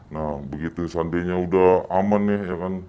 nah begitu seandainya udah aman nih